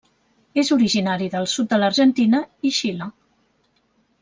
És originari del sud de l'Argentina i Xile.